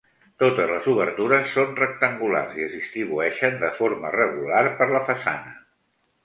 Totes les obertures són rectangulars i es distribueixen de forma regular per la façana.